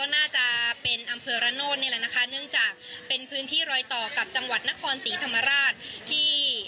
น่าจะเป็นอำเภอระโนธนี่แหละนะคะเนื่องจากเป็นพื้นที่รอยต่อกับจังหวัดนครศรีธรรมราชที่